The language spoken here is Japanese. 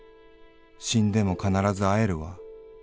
『死んでも必ず会えるわ。